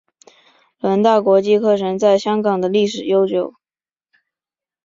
伦大国际课程在香港的历史悠久。